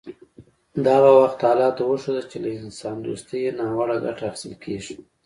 د هغه وخت حالاتو وښوده چې له انسان دوستۍ ناوړه ګټه اخیستل کیږي